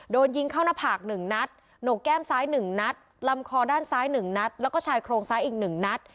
โดนยิงเข้าหน้าผาก๑นัดโหนกแก้มซ้าย๑นัดลำคอด้านซ้าย๑นัดแล้วก็ชายโครงซ้ายอีก๑นัด